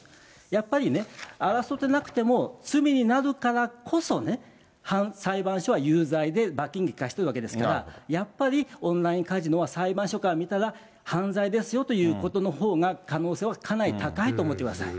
やっぱりね、争ってなくても、罪になるからこそね、裁判所は有罪で、罰金刑を科しているわけですから、やっぱりオンラインカジノは裁判所から見たら犯罪ですよということのほうが、可能性はかなり高いと思ってください。